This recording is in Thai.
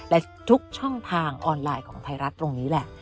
และทุกช่องทางออนไลน์ของไทยรัฐตรงนี้แหละ